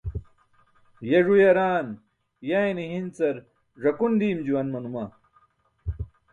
Ye ẓu yaraan yayne hincar ẓakun diim juwan manuma.